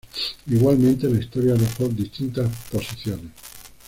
Igualmente la historia arrojó distintas posiciones.